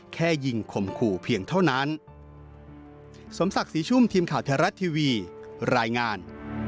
แค่ยิงข่มขู่เพียงเท่านั้น